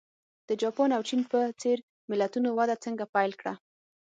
د جاپان او چین په څېر ملتونو وده څنګه پیل کړه.